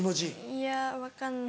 いや分かんない。